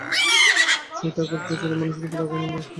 ছি ঠাকুরপো, ছেলেমানুষের উপর অমন রাগ করতে নেই।